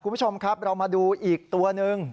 คุณผู้ชมครับเรามาดูอีกตัวหนึ่ง